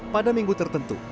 pada minggu tertentu